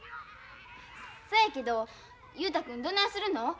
そやけど雄太君どないするの？